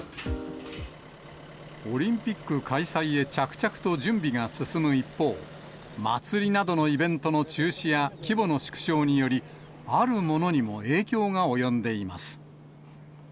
オリンピック開催へ着々と準備が進む一方、祭りなどのイベントの中止や規模の縮小により、あるものにも影響が及んでいます。